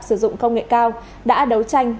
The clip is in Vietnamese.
sử dụng công nghệ cao đã đấu tranh